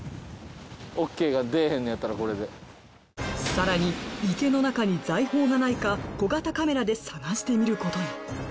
更に池の中に財宝がないか小型カメラで探してみることに。